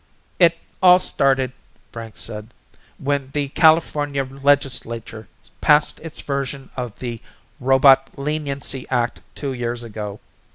"It all started," Frank said, "when the California Legislature passed its version of the Robot Leniency Act two years ago."